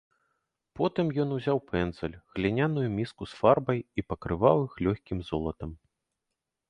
Потым ён узяў пэндзаль, гліняную міску з фарбай і пакрываў іх лёгкім золатам.